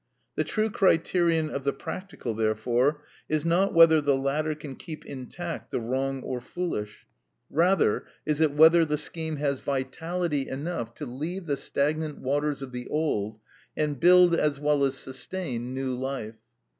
The true criterion of the practical, therefore, is not whether the latter can keep intact the wrong or foolish; rather is it whether the scheme has vitality enough to leave the stagnant waters of the old, and build, as well as sustain, new life.